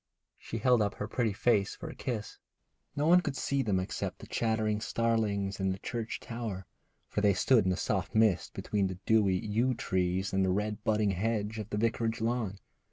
She held up her pretty face for a kiss. No one could see them except the chattering starlings in the church tower, for they stood in the soft mist between the dewy yew trees and the red budding hedge by the vicarage lawn.